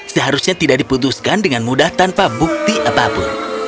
seharusnya tidak diputuskan dengan mudah tanpa bukti apapun